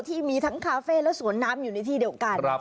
ที่มีทั้งคาเฟ่และสวนน้ำอยู่ในที่เดียวกัน